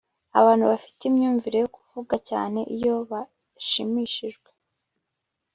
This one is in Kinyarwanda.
Abantu bafite imyumvire yo kuvuga cyane iyo bashimishijwe